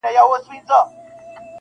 خدای راکړې هره ورځ تازه هوا وه-